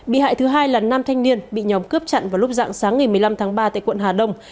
bị hại thứ hai là nam thanh niên bị nhóm cướp chặn vào lúc dạng sáng ngày một mươi năm tháng ba tại quận hà đông